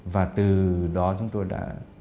và từ đó chúng tôi đã